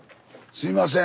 すいません。